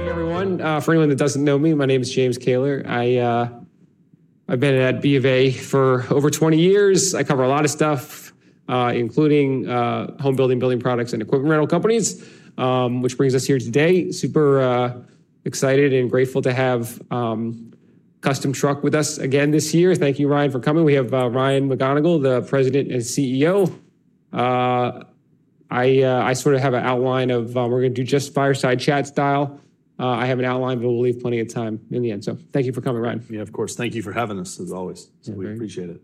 Hey, everyone. For anyone that doesn't know me, my name is James Kayler. I've been at BofA for over 20 years. I cover a lot of stuff, including home building, building products, and equipment rental companies, which brings us here today. Super excited and grateful to have Custom Truck with us again this year. Thank you, Ryan, for coming. We have Ryan McMonagle, the president and CEO. I sort of have an outline of we're going to do just fireside chat style. I have an outline, but we'll leave plenty of time in the end. So thank you for coming, Ryan. Yeah, of course. Thank you for having us, as always. So we appreciate it.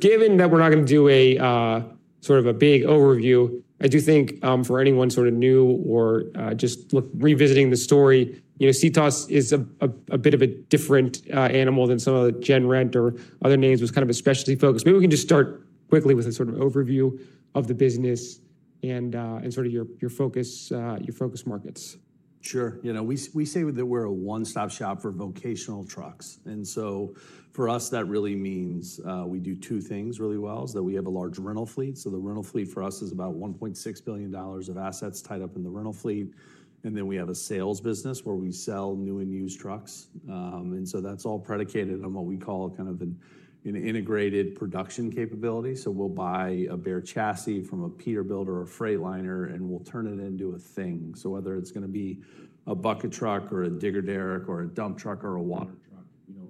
Given that we're not going to do a sort of a big overview, I do think for anyone sort of new or just revisiting the story, CTOS is a bit of a different animal than some of the GenRent or other names was kind of a specialty focus. Maybe we can just start quickly with a sort of overview of the business and sort of your focus markets. Sure. You know, we say that we're a one-stop shop for vocational trucks, and so for us, that really means we do two things really well, so we have a large rental fleet. So the rental fleet for us is about $1.6 billion of assets tied up in the rental fleet, and then we have a sales business where we sell new and used trucks, and so that's all predicated on what we call kind of an integrated production capability, so we'll buy a bare chassis from a Peterbilt or a Freightliner, and we'll turn it into a thing, so whether it's going to be a bucket truck or a digger derrick or a dump truck or a water truck,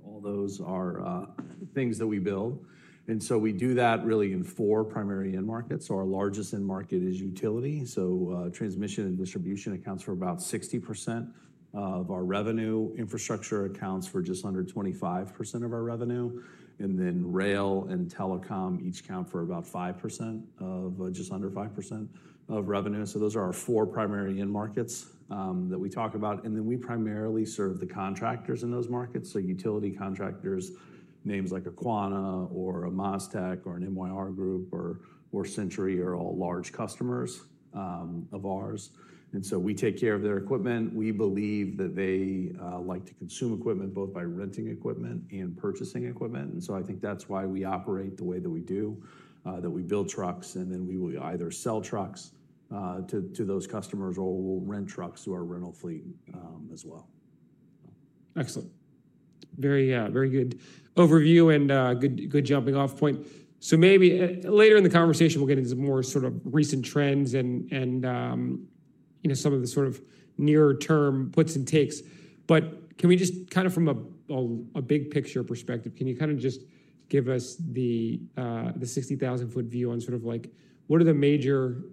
all those are things that we build, and so we do that really in four primary end markets, so our largest end market is utility. So transmission and distribution accounts for about 60% of our revenue. Infrastructure accounts for just under 25% of our revenue. And then rail and telecom each count for about 5% of just under 5% of revenue. So those are our four primary end markets that we talk about. And then we primarily serve the contractors in those markets. So utility contractors, names like Quanta or a MasTec or an MYR Group or Centuri are all large customers of ours. And so we take care of their equipment. We believe that they like to consume equipment both by renting equipment and purchasing equipment. And so I think that's why we operate the way that we do, that we build trucks, and then we will either sell trucks to those customers or we'll rent trucks to our rental fleet as well. Excellent. Very good overview and good jumping-off point. So maybe later in the conversation, we'll get into more sort of recent trends and some of the sort of near-term puts and takes. But can we just kind of from a big-picture perspective, can you kind of just give us the 60,000-feet view on sort of what are the major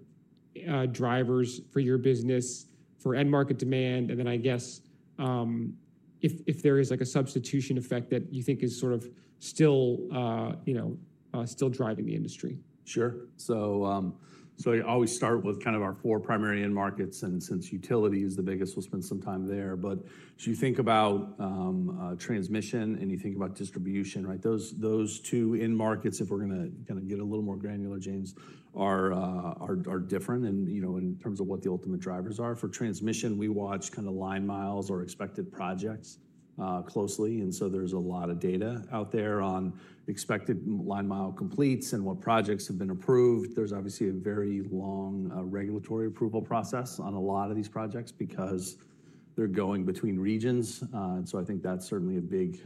drivers for your business for end market demand? And then I guess if there is a substitution effect that you think is sort of still driving the industry? Sure. So I always start with kind of our four primary end markets. And since utility is the biggest, we'll spend some time there. But if you think about transmission and you think about distribution, those two end markets, if we're going to kind of get a little more granular, James, are different in terms of what the ultimate drivers are. For transmission, we watch kind of line miles or expected projects closely. And so there's a lot of data out there on expected line mile completes and what projects have been approved. There's obviously a very long regulatory approval process on a lot of these projects because they're going between regions. And so I think that's certainly a big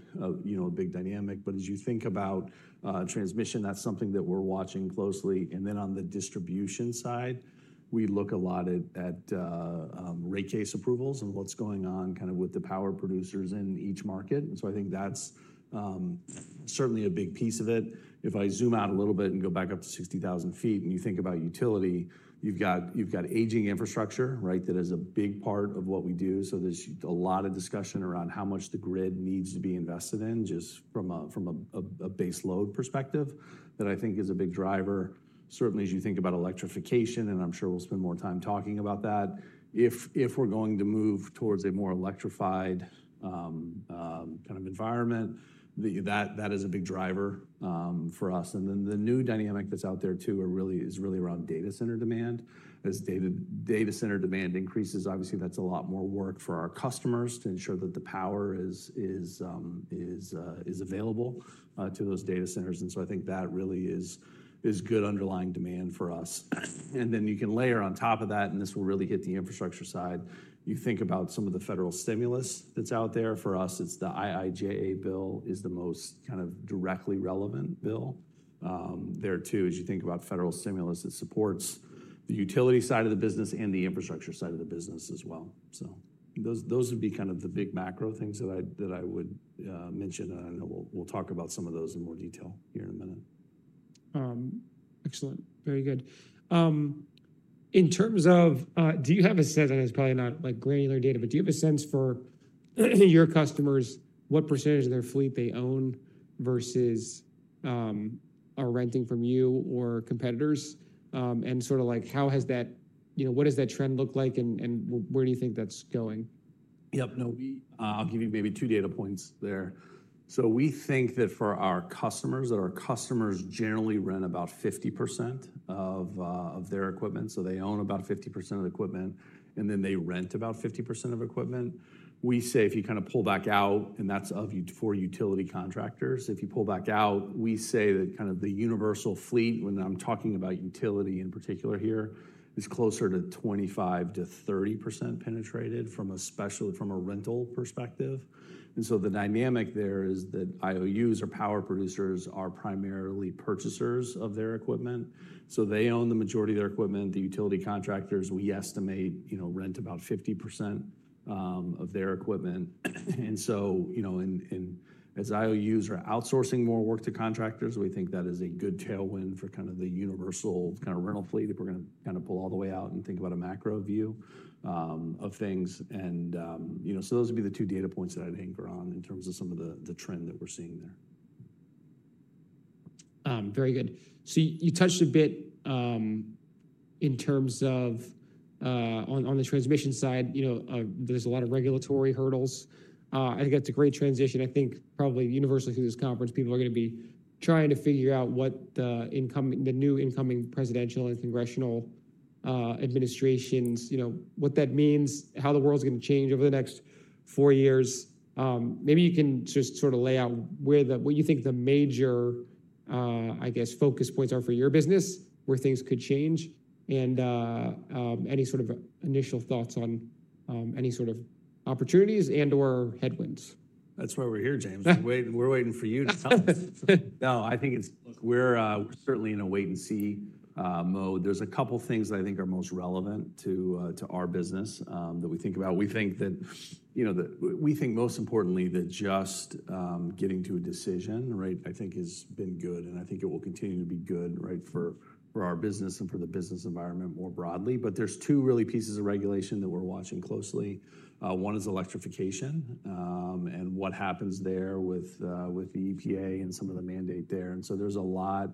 dynamic. But as you think about transmission, that's something that we're watching closely. And then on the distribution side, we look a lot at rate case approvals and what's going on kind of with the power producers in each market. And so I think that's certainly a big piece of it. If I zoom out a little bit and go back up to 60,000 feet and you think about utility, you've got aging infrastructure that is a big part of what we do. So there's a lot of discussion around how much the grid needs to be invested in just from a base load perspective that I think is a big driver. Certainly, as you think about electrification, and I'm sure we'll spend more time talking about that, if we're going to move towards a more electrified kind of environment, that is a big driver for us. And then the new dynamic that's out there, too, is really around data center demand. As data center demand increases, obviously, that's a lot more work for our customers to ensure that the power is available to those data centers. And so I think that really is good underlying demand for us. And then you can layer on top of that, and this will really hit the infrastructure side. You think about some of the federal stimulus that's out there. For us, it's the IIJA bill is the most kind of directly relevant bill there, too, as you think about federal stimulus that supports the utility side of the business and the infrastructure side of the business as well. So those would be kind of the big macro things that I would mention. And I know we'll talk about some of those in more detail here in a minute. Excellent. Very good. In terms of do you have a sense—and it's probably not granular data—but do you have a sense for your customers what percentage of their fleet they own versus are renting from you or competitors? And sort of how has that—what does that trend look like, and where do you think that's going? Yep. No, I'll give you maybe two data points there. So we think that for our customers that our customers generally rent about 50% of their equipment. So they own about 50% of the equipment, and then they rent about 50% of equipment. We say if you kind of pull back out, and that's for utility contractors, if you pull back out, we say that kind of the universal fleet, when I'm talking about utility in particular here, is closer to 25%-30% penetrated from a rental perspective. And so the dynamic there is that IOUs or power producers are primarily purchasers of their equipment. So they own the majority of their equipment. The utility contractors, we estimate, rent about 50% of their equipment. And so as IOUs are outsourcing more work to contractors, we think that is a good tailwind for kind of the universal kind of rental fleet if we're going to kind of pull all the way out and think about a macro view of things. And so those would be the two data points that I'd anchor on in terms of some of the trend that we're seeing there. Very good. So you touched a bit in terms of on the transmission side, there's a lot of regulatory hurdles. I think that's a great transition. I think probably universally through this conference, people are going to be trying to figure out what the new incoming presidential and congressional administrations, what that means, how the world's going to change over the next four years. Maybe you can just sort of lay out what you think the major, I guess, focus points are for your business, where things could change, and any sort of initial thoughts on any sort of opportunities and/or headwinds? That's why we're here, James. We're waiting for you to tell us. No, I think we're certainly in a wait-and-see mode. There's a couple of things that I think are most relevant to our business that we think about. We think that we think most importantly that just getting to a decision, right, I think has been good. And I think it will continue to be good for our business and for the business environment more broadly. But there's two really pieces of regulation that we're watching closely. One is electrification and what happens there with the EPA and some of the mandate there. And so there's a lot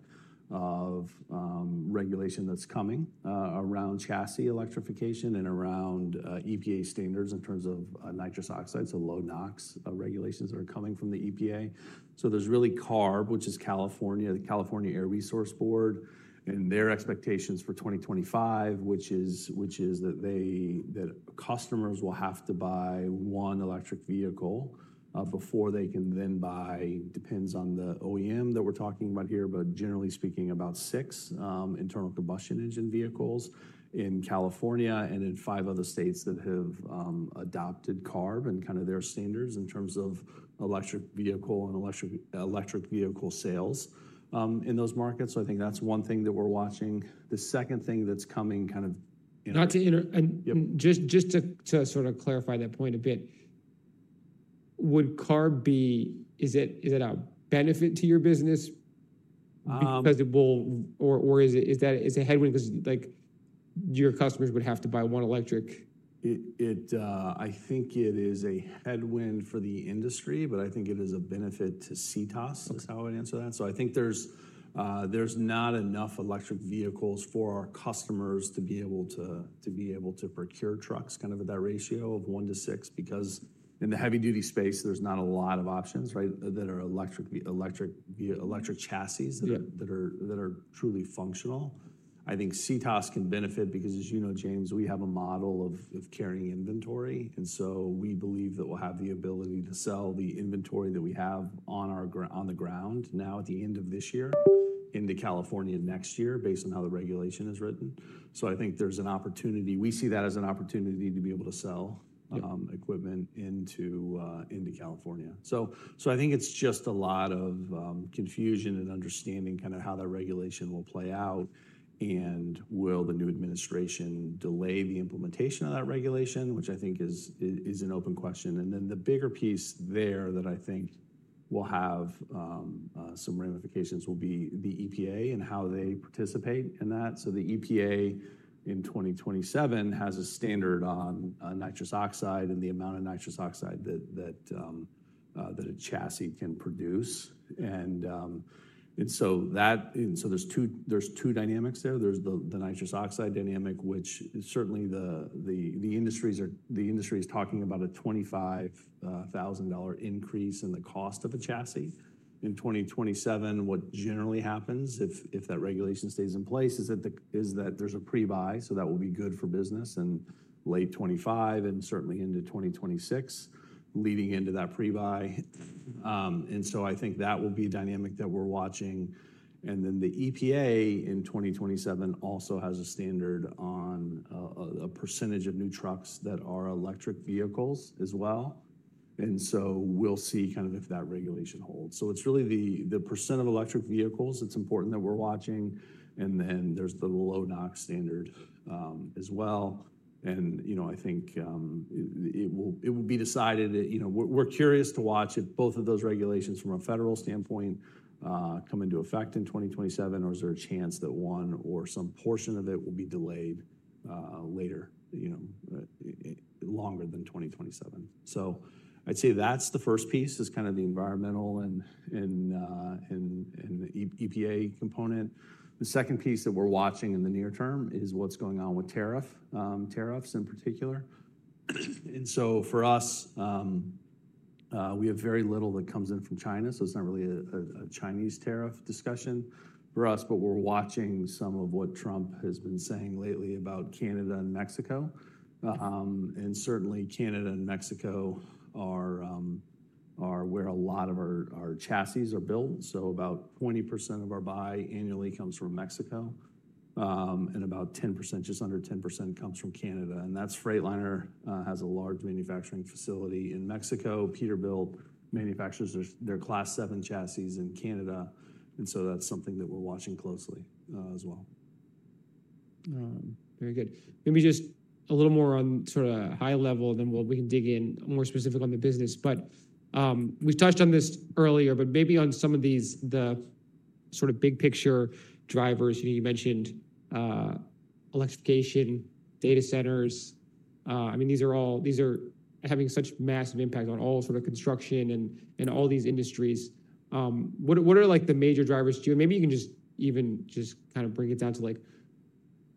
of regulation that's coming around chassis electrification and around EPA standards in terms of nitrous oxide, so low NOx regulations that are coming from the EPA. There's really CARB, which is California Air Resources Board, and their expectations for 2025, which is that customers will have to buy one electric vehicle before they can then buy, depends on the OEM that we're talking about here, but generally speaking, about six internal combustion engine vehicles in California and in five other states that have adopted CARB and kind of their standards in terms of electric vehicle and electric vehicle sales in those markets. I think that's one thing that we're watching. The second thing that's coming kind of. Not to interrupt. Just to sort of clarify that point a bit, would CARB be, is it a benefit to your business because it will, or is it a headwind because your customers would have to buy one electric? I think it is a headwind for the industry, but I think it is a benefit to CTOS. That's how I would answer that. So I think there's not enough electric vehicles for our customers to be able to procure trucks kind of at that ratio of one to six because in the heavy-duty space, there's not a lot of options that are electric chassis that are truly functional. I think CTOS can benefit because, as you know, James, we have a model of carrying inventory. And so we believe that we'll have the ability to sell the inventory that we have on the ground now at the end of this year into California next year based on how the regulation is written. So I think there's an opportunity. We see that as an opportunity to be able to sell equipment into California. I think it's just a lot of confusion and understanding kind of how that regulation will play out and will the new administration delay the implementation of that regulation, which I think is an open question. And then the bigger piece there that I think will have some ramifications will be the EPA and how they participate in that. The EPA in 2027 has a standard on nitrous oxide and the amount of nitrous oxide that a chassis can produce. And so there's two dynamics there. There's the nitrous oxide dynamic, which certainly the industry is talking about a $25,000 increase in the cost of a chassis. In 2027, what generally happens if that regulation stays in place is that there's a pre-buy. That will be good for business in late 2025 and certainly into 2026 leading into that pre-buy. And so I think that will be a dynamic that we're watching. And then the EPA in 2027 also has a standard on a percentage of new trucks that are electric vehicles as well. And so we'll see kind of if that regulation holds. So it's really the percent of electric vehicles that's important that we're watching. And then there's the Low NOx standard as well. And I think it will be decided. We're curious to watch if both of those regulations from a federal standpoint come into effect in 2027, or is there a chance that one or some portion of it will be delayed later, longer than 2027? So I'd say that's the first piece is kind of the environmental and EPA component. The second piece that we're watching in the near term is what's going on with tariffs in particular. For us, we have very little that comes in from China. It's not really a Chinese tariff discussion for us, but we're watching some of what Trump has been saying lately about Canada and Mexico. Certainly, Canada and Mexico are where a lot of our chassis are built. About 20% of our buy annually comes from Mexico, and about 10%, just under 10%, comes from Canada. That's where Freightliner has a large manufacturing facility in Mexico. Peterbilt manufactures their Class 7 chassis in Canada. That's something that we're watching closely as well. Very good. Maybe just a little more on sort of high level, and then we can dig in more specifically on the business. But we've touched on this earlier, but maybe on some of these sort of big-picture drivers. You mentioned electrification, data centers. I mean, these are having such massive impact on all sort of construction and all these industries. What are the major drivers? Maybe you can just even just kind of bring it down to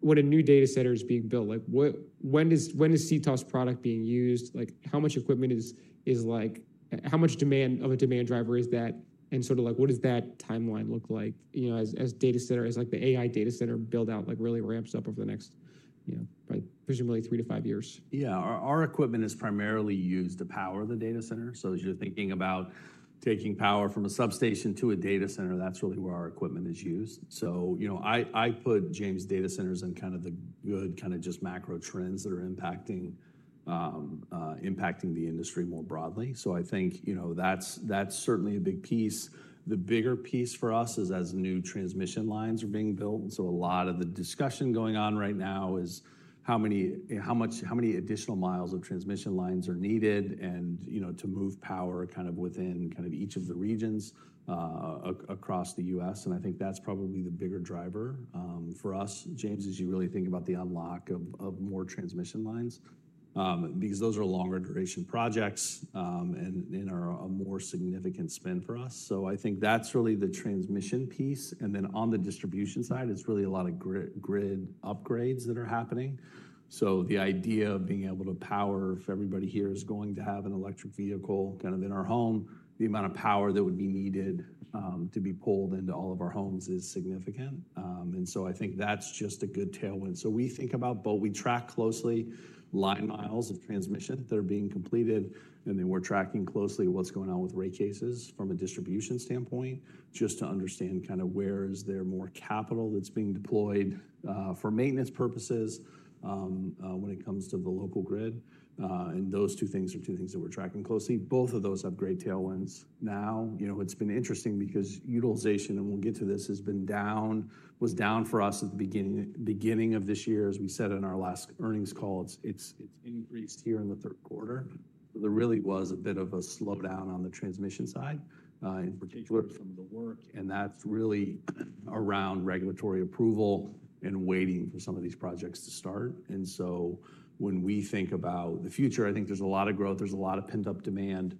what a new data center is being built. When is CTOS product being used? How much equipment is how much demand of a demand driver is that? And sort of what does that timeline look like as data center, as the AI data center build-out really ramps up over the next, presumably, three to five years? Yeah. Our equipment is primarily used to power the data center. So as you're thinking about taking power from a substation to a data center, that's really where our equipment is used. So I put James data centers in kind of the good kind of just macro trends that are impacting the industry more broadly. So I think that's certainly a big piece. The bigger piece for us is as new transmission lines are being built. And so a lot of the discussion going on right now is how many additional miles of transmission lines are needed to move power kind of within kind of each of the regions across the US. And I think that's probably the bigger driver for us, James, as you really think about the unlock of more transmission lines because those are longer duration projects and are a more significant spend for us. So I think that's really the transmission piece. And then on the distribution side, it's really a lot of grid upgrades that are happening. So the idea of being able to power if everybody here is going to have an electric vehicle kind of in our home, the amount of power that would be needed to be pulled into all of our homes is significant. And so I think that's just a good tailwind. So we think about, but we track closely line miles of transmission that are being completed. And then we're tracking closely what's going on with rate cases from a distribution standpoint just to understand kind of where is there more capital that's being deployed for maintenance purposes when it comes to the local grid. And those two things are two things that we're tracking closely. Both of those have great tailwinds now. It's been interesting because utilization, and we'll get to this, has been down, was down for us at the beginning of this year. As we said in our last earnings call, it's increased here in the third quarter. So there really was a bit of a slowdown on the transmission side in particular for some of the work. And that's really around regulatory approval and waiting for some of these projects to start. And so when we think about the future, I think there's a lot of growth. There's a lot of pent-up demand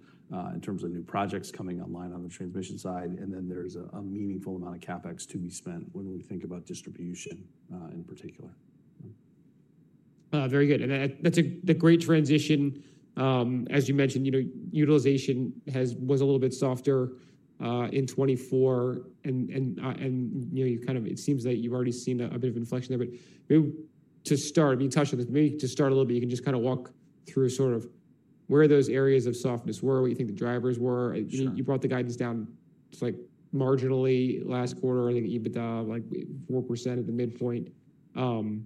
in terms of new projects coming online on the transmission side. And then there's a meaningful amount of CapEx to be spent when we think about distribution in particular. Very good. And that's a great transition. As you mentioned, utilization was a little bit softer in 2024. And kind of it seems that you've already seen a bit of inflection there. But maybe to start, we touched on this. Maybe to start a little bit, you can just kind of walk through sort of where those areas of softness were, what you think the drivers were. You brought the guidance down marginally last quarter, I think even to 4% at the midpoint. And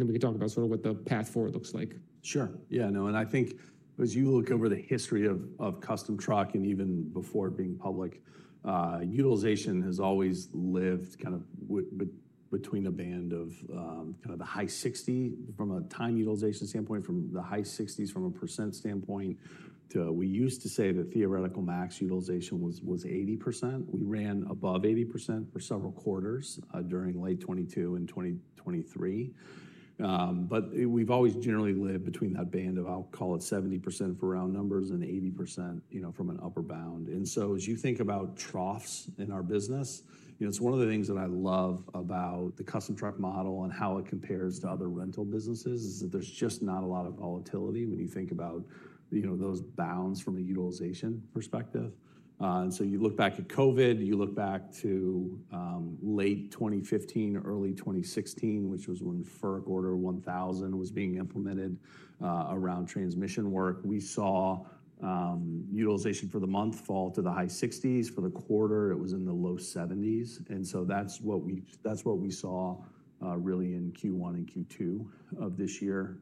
then we can talk about sort of what the path forward looks like. Sure. Yeah. No, and I think as you look over the history of Custom Truck and even before it being public, utilization has always lived kind of between a band of kind of the high 60 from a time utilization standpoint, from the high 60s from a percent standpoint. We used to say that theoretical max utilization was 80%. We ran above 80% for several quarters during late 2022 and 2023. But we've always generally lived between that band of, I'll call it 70% for round numbers and 80% from an upper bound. And so as you think about troughs in our business, it's one of the things that I love about the Custom Truck model and how it compares to other rental businesses is that there's just not a lot of volatility when you think about those bounds from a utilization perspective. And so you look back at COVID, you look back to late 2015, early 2016, which was when FERC Order 1000 was being implemented around transmission work. We saw utilization for the month fall to the high 60s. For the quarter, it was in the low 70s. And so that's what we saw really in Q1 and Q2 of this year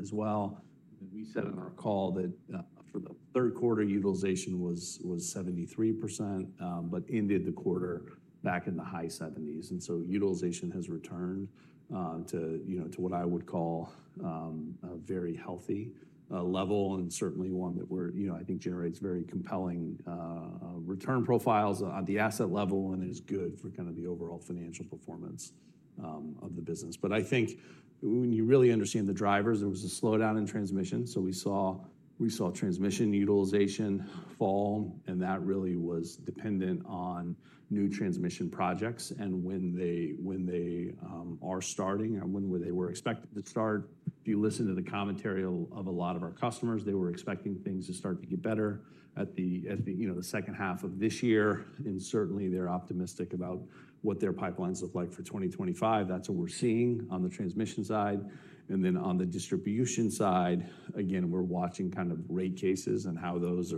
as well. We said in our call that for the third quarter, utilization was 73%, but ended the quarter back in the high 70s. And so utilization has returned to what I would call a very healthy level and certainly one that I think generates very compelling return profiles on the asset level and is good for kind of the overall financial performance of the business. But I think when you really understand the drivers, there was a slowdown in transmission. So we saw transmission utilization fall, and that really was dependent on new transmission projects. And when they are starting and when they were expected to start, if you listen to the commentary of a lot of our customers, they were expecting things to start to get better at the second half of this year. And certainly, they're optimistic about what their pipelines look like for 2025. That's what we're seeing on the transmission side. And then on the distribution side, again, we're watching kind of rate cases and how those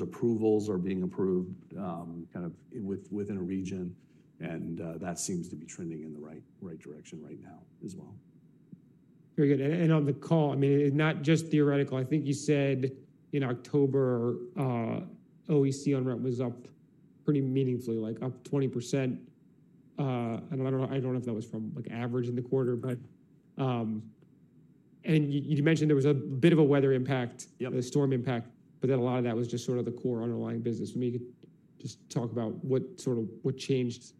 approvals are being approved kind of within a region. And that seems to be trending in the right direction right now as well. Very good. And on the call, I mean, not just theoretical. I think you said in October, OEC on rent was up pretty meaningfully, like up 20%. And I don't know if that was from average in the quarter, but. And you mentioned there was a bit of a weather impact, the storm impact, but then a lot of that was just sort of the core underlying business. I mean, you could just talk about what changed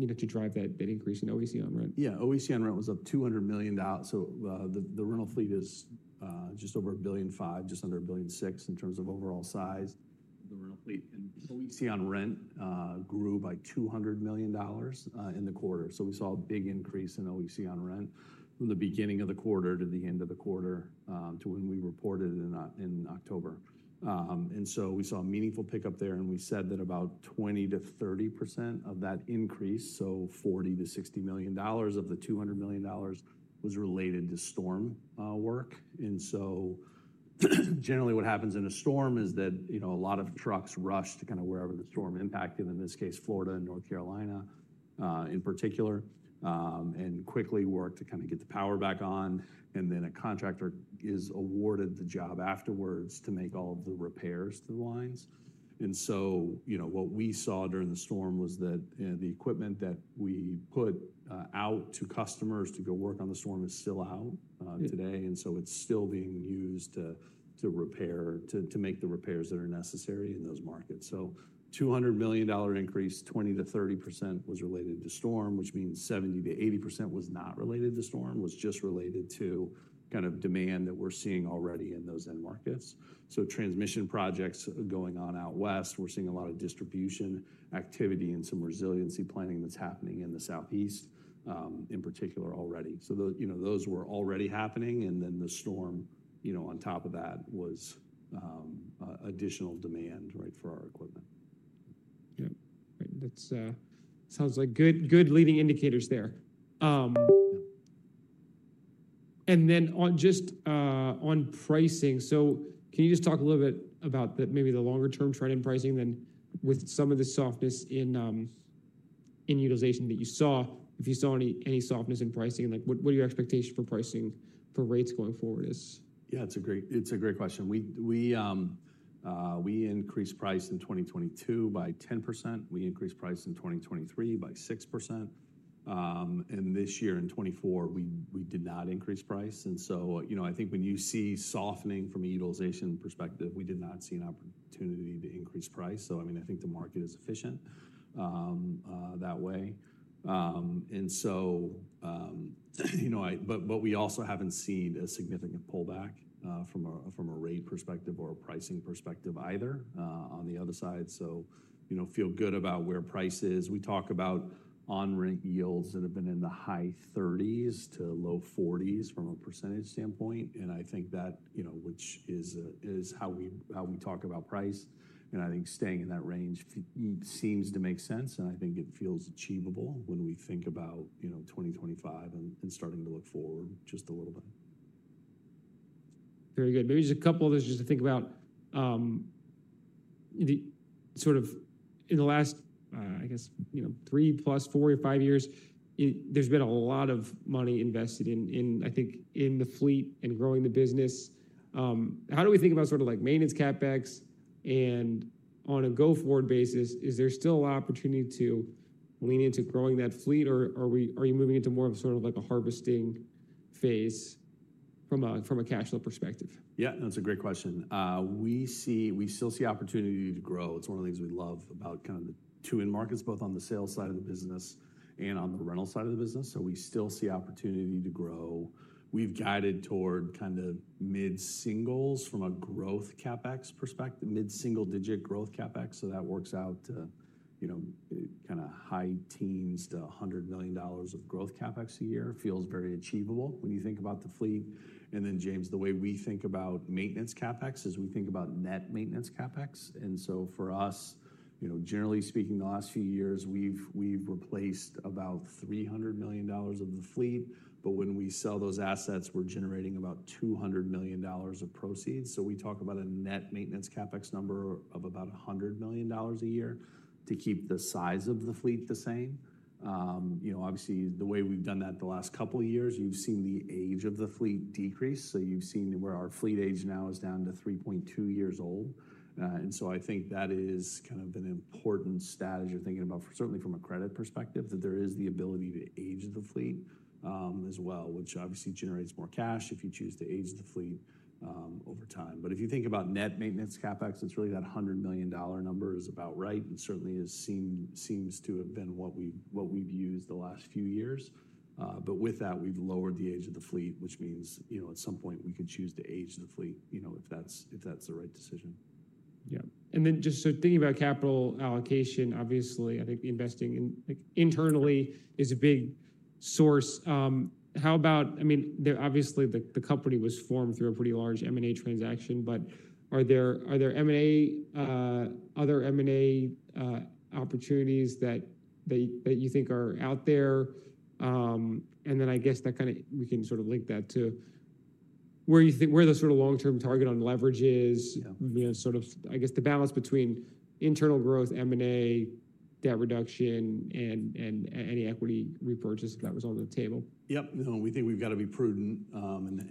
to drive that increase in OEC on rent. Yeah. OEC on rent was up $200 million, so the rental fleet is just over a billion five, just under a billion six in terms of overall size. The rental fleet and OEC on rent grew by $200 million in the quarter, so we saw a big increase in OEC on rent from the beginning of the quarter to the end of the quarter to when we reported in October, and so we saw a meaningful pickup there, and we said that about 20%-30% of that increase, so $40-$60 million of the $200 million was related to storm work, and so generally, what happens in a storm is that a lot of trucks rush to kind of wherever the storm impacted, in this case, Florida and North Carolina in particular, and quickly work to kind of get the power back on. And then a contractor is awarded the job afterwards to make all of the repairs to the lines. And so what we saw during the storm was that the equipment that we put out to customers to go work on the storm is still out today. And so it's still being used to repair, to make the repairs that are necessary in those markets. So $200 million increase, 20%-30% was related to storm, which means 70%-80% was not related to storm, was just related to kind of demand that we're seeing already in those end markets. So transmission projects going on out west, we're seeing a lot of distribution activity and some resiliency planning that's happening in the southeast in particular already. So those were already happening. And then the storm on top of that was additional demand for our equipment. Yep. That sounds like good leading indicators there. And then just on pricing, so can you just talk a little bit about maybe the longer-term trend in pricing then with some of the softness in utilization that you saw? If you saw any softness in pricing, what are your expectations for pricing for rates going forward? Yeah, it's a great question. We increased price in 2022 by 10%. We increased price in 2023 by 6%. And this year in 2024, we did not increase price. And so I think when you see softening from a utilization perspective, we did not see an opportunity to increase price. So I mean, I think the market is efficient that way. And so but we also haven't seen a significant pullback from a rate perspective or a pricing perspective either on the other side. So feel good about where price is. We talk about on-rent yields that have been in the high 30s% to low 40s% from a percentage standpoint. And I think that which is how we talk about price. And I think staying in that range seems to make sense. I think it feels achievable when we think about 2025 and starting to look forward just a little bit. Very good. Maybe just a couple of others just to think about sort of in the last, I guess, three plus four or five years, there's been a lot of money invested in, I think, in the fleet and growing the business. How do we think about sort of maintenance CapEx? And on a go-forward basis, is there still an opportunity to lean into growing that fleet, or are you moving into more of sort of a harvesting phase from a cash flow perspective? Yeah, that's a great question. We still see opportunity to grow. It's one of the things we love about kind of the T&D markets, both on the sales side of the business and on the rental side of the business. So we still see opportunity to grow. We've guided toward kind of mid-singles from a growth CapEx perspective, mid-single-digit growth CapEx. So that works out to kind of high teens to $100 million of growth CapEx a year. It feels very achievable when you think about the fleet. And then, James, the way we think about maintenance CapEx is we think about net maintenance CapEx. And so for us, generally speaking, the last few years, we've replaced about $300 million of the fleet. But when we sell those assets, we're generating about $200 million of proceeds. So we talk about a net maintenance CapEx number of about $100 million a year to keep the size of the fleet the same. Obviously, the way we've done that the last couple of years, you've seen the age of the fleet decrease. So you've seen where our fleet age now is down to 3.2 years old. And so I think that is kind of an important status. You're thinking about, certainly from a credit perspective, that there is the ability to age the fleet as well, which obviously generates more cash if you choose to age the fleet over time. But if you think about net maintenance CapEx, it's really that $100 million number is about right and certainly seems to have been what we've used the last few years. But with that, we've lowered the age of the fleet, which means at some point we could choose to age the fleet if that's the right decision. Yeah, and then just so thinking about capital allocation, obviously, I think investing internally is a big source. How about, I mean, obviously the company was formed through a pretty large M&A transaction, but are there other M&A opportunities that you think are out there? And then I guess that kind of we can sort of link that to where you think the sort of long-term target on leverage is, sort of, I guess, the balance between internal growth, M&A, debt reduction, and any equity repurchase if that was on the table. Yep. No, we think we've got to be prudent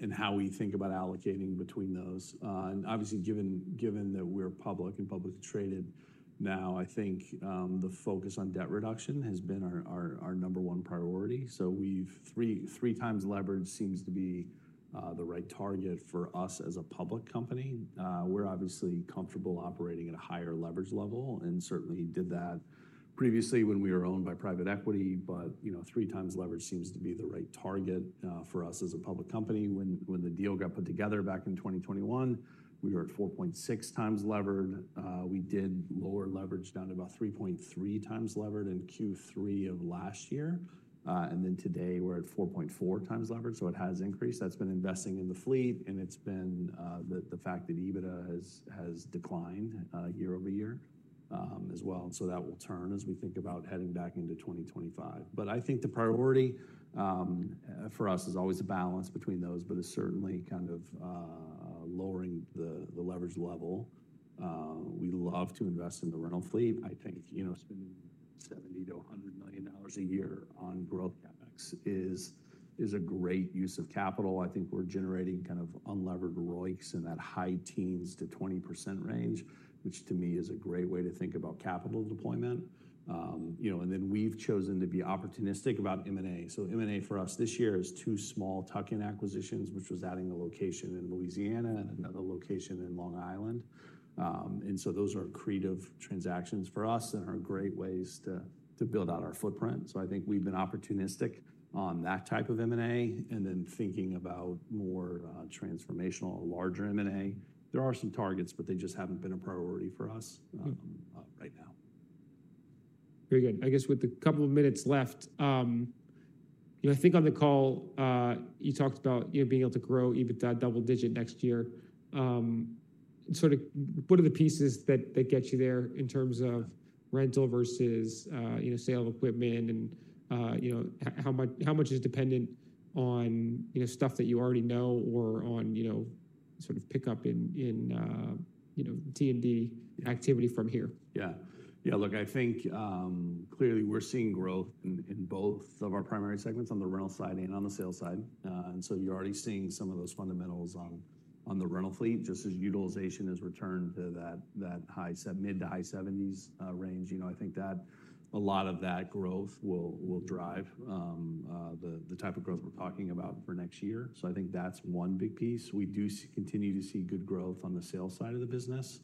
in how we think about allocating between those. And obviously, given that we're public and publicly traded now, I think the focus on debt reduction has been our number one priority. So three times leverage seems to be the right target for us as a public company. We're obviously comfortable operating at a higher leverage level and certainly did that previously when we were owned by private equity. But three times leverage seems to be the right target for us as a public company. When the deal got put together back in 2021, we were at 4.6 times levered. We did lower leverage down to about 3.3 times leverage in Q3 of last year. And then today we're at 4.4 times leverage. So it has increased. That's been investing in the fleet. And it's been the fact that EBITDA has declined year-over-year as well. So that will turn as we think about heading back into 2025. But I think the priority for us is always a balance between those, but it's certainly kind of lowering the leverage level. We love to invest in the rental fleet. I think spending $70-$100 million a year on growth CapEx is a great use of capital. I think we're generating kind of unlevered ROICs in that high teens to 20% range, which to me is a great way to think about capital deployment. And then we've chosen to be opportunistic about M&A. So M&A for us this year is two small tuck-in acquisitions, which was adding a location in Louisiana and another location in Long Island. And so those are creative transactions for us and are great ways to build out our footprint. So I think we've been opportunistic on that type of M&A and then thinking about more transformational, larger M&A. There are some targets, but they just haven't been a priority for us right now. Very good. I guess with a couple of minutes left, I think on the call, you talked about being able to grow EBITDA double digit next year. Sort of what are the pieces that get you there in terms of rental versus sale of equipment and how much is dependent on stuff that you already know or on sort of pickup in T&D activity from here? Yeah. Yeah. Look, I think clearly we're seeing growth in both of our primary segments on the rental side and on the sale side. And so you're already seeing some of those fundamentals on the rental fleet just as utilization has returned to that mid- to high-70s% range. I think that a lot of that growth will drive the type of growth we're talking about for next year. So I think that's one big piece. We do continue to see good growth on the sale side of the business.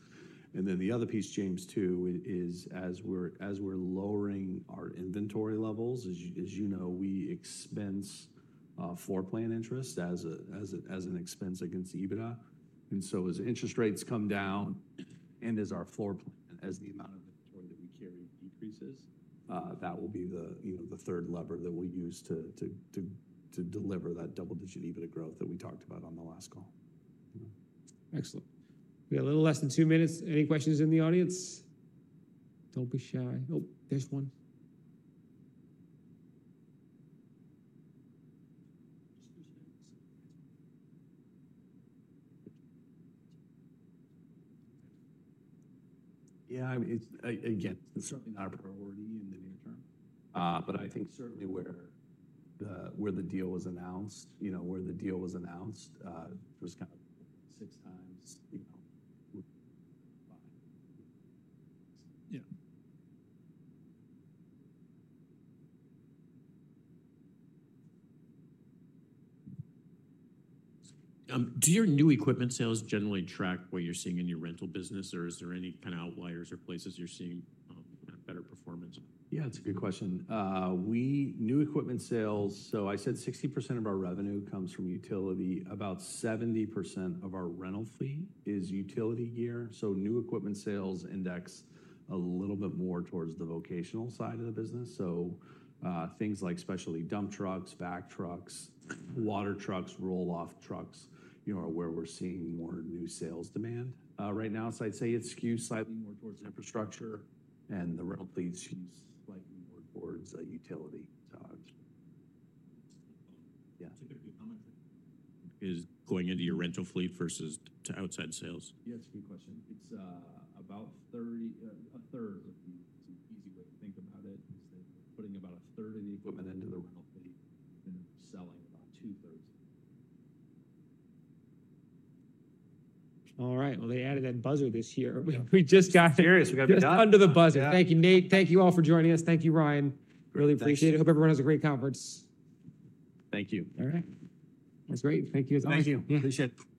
And then the other piece, James, too, is as we're lowering our inventory levels, as you know, we expense floor plan interest as an expense against EBITDA. And so as interest rates come down and as our floor plan, as the amount of inventory that we carry decreases, that will be the third lever that we'll use to deliver that double-digit EBITDA growth that we talked about on the last call. Excellent. We have a little less than two minutes. Any questions in the audience? Don't be shy. Oh, there's one. Yeah. Again, it's certainly not a priority in the near term. But I think certainly where the deal was announced. Yeah. Do your new equipment sales generally track what you're seeing in your rental business, or is there any kind of outliers or places you're seeing better performance? Yeah, that's a good question. New equipment sales, so I said 60% of our revenue comes from utility. About 70% of our rental fleet is utility gear. So new equipment sales index a little bit more towards the vocational side of the business. So things like specialty dump trucks, vac trucks, water trucks, roll-off trucks are where we're seeing more new sales demand right now. So I'd say it skews slightly more towards infrastructure, and the rental fleet skews slightly more towards utility side. Yeah. Is going into your rental fleet versus to outside sales? Yeah, it's a good question. It's about a third of the. An easy way to think about it is that we're putting about 1/3 of the equipment into the rental fleet and then selling about 2/3. All right. Well, they added that buzzer this year. We just got it. Seriously. We got it done. Under the buzzer. Thank you, Nate. Thank you all for joining us. Thank you, Ryan. Really appreciate it. Hope everyone has a great conference. Thank you. All right. That's great. Thank you. Thank you. Appreciate it.